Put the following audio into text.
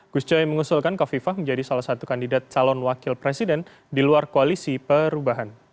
gus coy mengusulkan kofifa menjadi salah satu kandidat calon wakil presiden di luar koalisi perubahan